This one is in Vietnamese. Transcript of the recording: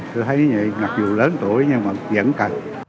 tôi thấy như vậy mặc dù lớn tuổi nhưng vẫn cần